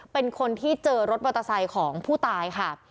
เป็นคนที่เจอรถมอเตอร์ไซค์ของผู้ตายค่ะ